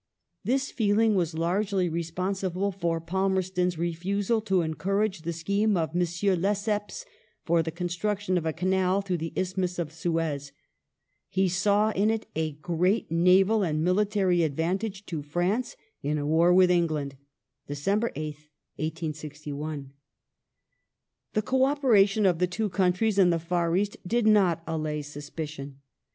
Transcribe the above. ^ This feeling was largely responsible for Palmerston's \ refusal to encourage the scheme of M. Lesseps for the construction ] of a canal through the Isthmus of Suez. He saw in it a great " naval and military advantage to France in a war with England " I (Dec. 8th, 1861).3 The co operation of the two countries in the Far East did not Chinese allay suspicion.